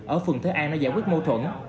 ở phường thế an để giải quyết mô thuẫn